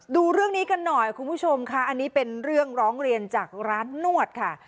ดูเรื่องนี้กันหน่อยคุณผู้ชมค่ะอันนี้เป็นเรื่องร้องเรียนจากร้านนวดค่ะ